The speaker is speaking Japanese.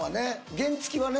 原付はね